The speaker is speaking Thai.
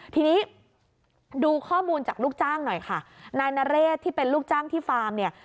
ทีนี้ดูข้อมูลจากลูกจ้างหน่อยค่ะนายนเรศที่เป็นลูกจ้างที่ฟาร์มเนี่ย